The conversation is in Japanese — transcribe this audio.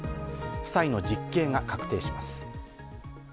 夫妻の実刑が確定します。